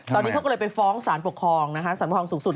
ตอนนี้เขาก็เลยไปฟ้องสารปกครองสูงสุด